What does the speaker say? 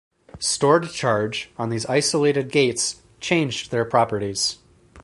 Stored charge on these isolated gates changed their properties.